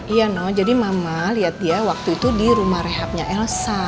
iya no jadi mama lihat dia waktu itu di rumah rehabnya elsa